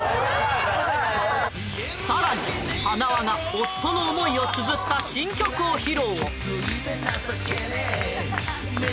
何それさらにはなわが夫の思いをつづった新曲を披露